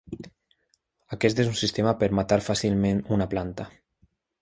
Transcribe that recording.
Aquest és un sistema per matar fàcilment una planta.